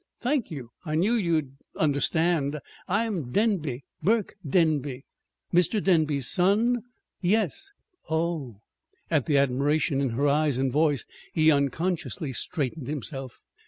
"Thank you. I knew you'd understand. I'm Denby Burke Denby." "Mr. Denby's son?" "Yes." "Oh h!" At the admiration in her eyes and voice he unconsciously straightened himself.